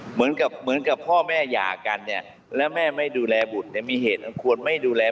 เหมือนกับพ่อแม่หย่ากันและแม่ไม่ดูแลบุตรมีเหตุควรไม่ดูแล